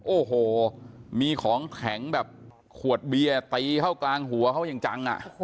โอ้โหมีของแข็งแบบขวดเบียร์ตีเข้ากลางหัวเขาอย่างจัง